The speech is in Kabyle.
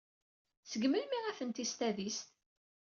Seg melmi ay atenti s tadist?